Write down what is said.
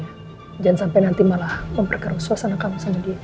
jangan sampai nanti malah memperkaruh suasana kamu sama dia